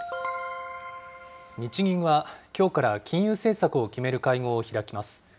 日銀はきょうから金融政策を決める会合を開きます。